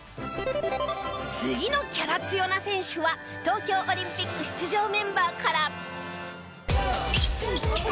次のキャラ強な選手は東京オリンピック出場メンバーから。